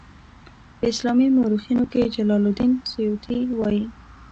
په اسلامي مورخینو کې جلال الدین سیوطي وایي.